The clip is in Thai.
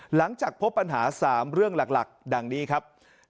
หลังจากพบปัญหา๓เรื่องหลักดังนี้ครับ